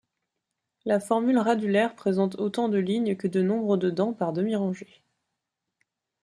La formule radulaire présente autant de lignes que de nombre de dents par demi-rangée.